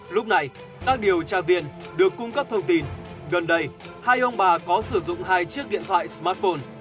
lúc này các điều tra viên được cung cấp thông tin gần đây hai ông bà có sử dụng hai chiếc điện thoại smartphone